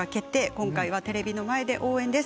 今回はテレビの前で応援です。